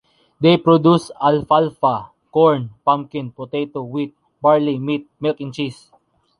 They produce alfalfa, corn, pumpkin, potato, wheat, barley, meat, milk and cheese.